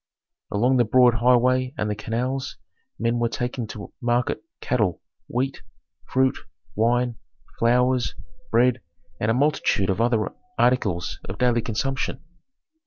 Along the broad highway and the canals men were taking to market cattle, wheat, fruit, wine, flowers, bread, and a multitude of other articles of daily consumption.